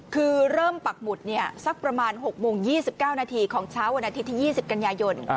คือเริ่มปักหมุดสักประมาณ๖โมง๒๙นาทีของเช้าวันอาทิตย์ที่๒๐กันยายน